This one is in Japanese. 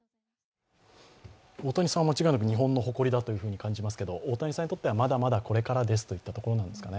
大谷さんは間違いなく日本の誇りだと感じますけど大谷さんにとっては、まだまだこれからですといったところなんですかね。